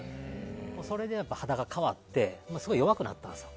それで肌が変わってすごい弱くなったんです。